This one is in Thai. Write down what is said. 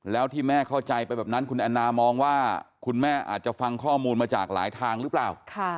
แล้วที่แม่เข้าใจไปแบบนั้นคุณแอนนามองว่าคุณแม่อาจจะฟังข้อมูลมาจากหลายทางหรือเปล่า